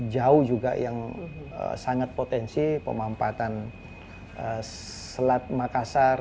jauh juga yang sangat potensi pemampatan selat makassar